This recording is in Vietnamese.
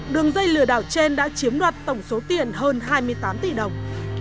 đường dây lừa đảo trên đã chiếm đoạt tổng số tiền hơn hai mươi tám tỷ đồng